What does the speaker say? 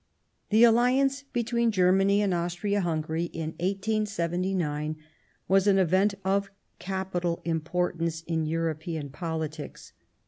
The Alliance between Germany and Austria Hungary in 1879 was an event of capital impor tance in European politics.